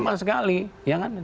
sama sekali ya kan